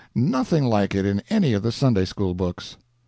Nothing like it in any of the Sunday school books.